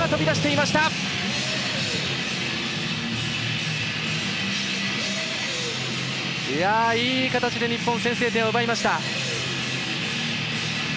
いい形で日本、先制点を奪いました。